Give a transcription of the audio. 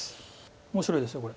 面白いですこれ。